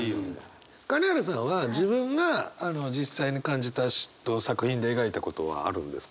金原さんは自分が実際に感じた嫉妬を作品で描いたことはあるんですか？